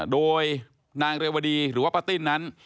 โดยนางเรวดีหรือว่าป้าติ้นนั้น